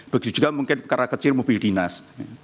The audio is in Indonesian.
begitu juga mungkin karena kecil mobil dinas